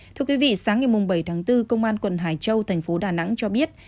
thưa quý vị sáng ngày bảy tháng bốn công an quận hải châu tp đà nẵng cho biết